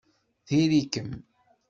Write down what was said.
Diri-kem.